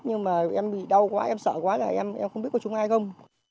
nhưng mà em bị đau quá em sợ quá là em em không biết có trúng ai không